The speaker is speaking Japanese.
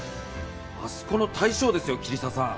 あそこの大将ですよ桐沢さん。